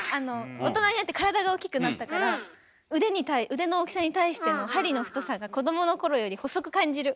大人になって体が大きくなったから腕の大きさに対しての針の太さが子どものころより細く感じる。